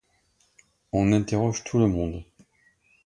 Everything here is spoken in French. « On interroge tout le monde.